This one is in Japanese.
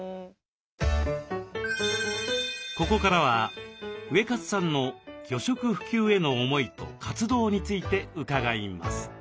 ここからはウエカツさんの魚食普及への思いと活動について伺います。